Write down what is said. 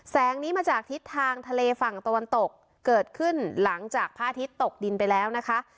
แสงนี้มาจากทิศทางทะเลฝั่งตะวันตกเกิดขึ้นหลังจากพระอาทิตย์ตกดินไปแล้วนะคะ